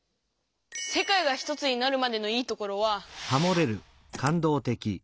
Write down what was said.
「世界がひとつになるまで」の「いいところ」は。